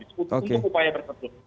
untuk upaya tersebut